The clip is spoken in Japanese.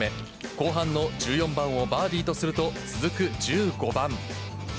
後半の１４番をバーディーとすると、続く１５番。